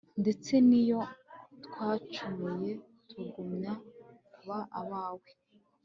ndetse n'iyo twacumuye tugumya kuba abawe